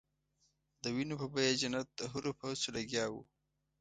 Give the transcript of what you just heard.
د وینو په بیه جنت د حورو په هڅو لګیا وو.